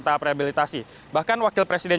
tahap rehabilitasi bahkan wakil presiden